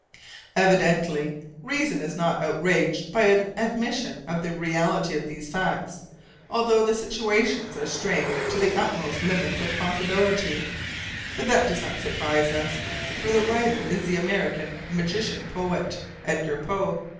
Evidently, reason is not outraged by an admission of the reality of these facts, although the situations are strained to the utmost limits of possibility; but that does not surprise us, for the writer is the American magician poet, Edgar Poe.